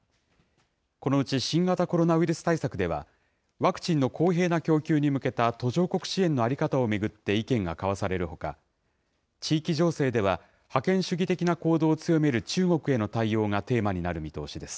このうち新型コロナウイルス対策では、ワクチンの公平な供給に向けた途上国支援の在り方を巡って意見が交わされるほか、地域情勢では、覇権主義的な行動を強める中国への対応がテーマになる見通しです。